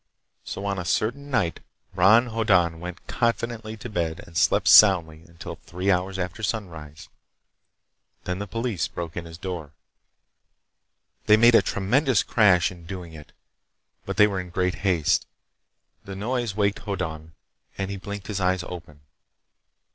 So on a certain night Bron Hoddan went confidently to bed and slept soundly until three hours after sunrise. Then the police broke in his door. They made a tremendous crash in doing it, but they were in great haste. The noise waked Hoddan, and he blinked his eyes open.